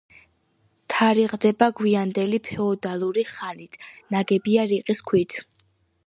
თარიღდება გვიანდელი ფეოდალური ხანით, ნაგებია რიყის ქვით.